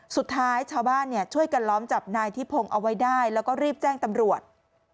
สุดท้ายชาวบ้านช่วยกันล้อมจับนายทิพงศ์เอาไว้ได้แล้วก็รีบแจ้งตำรวจ